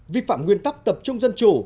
vi phạm nguyên tắc tập trung dân chủ